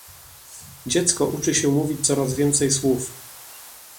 Dziecko uczy się mówić coraz więcej słów.